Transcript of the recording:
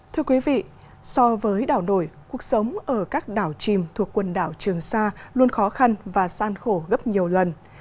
thưa quý vị so với đảo nổi cuộc sống ở các đảo chìm thuộc quần đảo trường sa luôn khó khăn và san khổ gấp nhiều lần